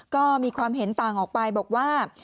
ก็มีความเห็นต่างออกไปบอกว่า